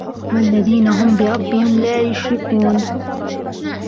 والذين هم بربهم لا يشركون